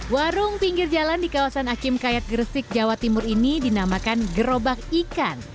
warung pinggir jalan di kawasan akim kayat gresik jawa timur ini dinamakan gerobak ikan